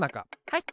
はい！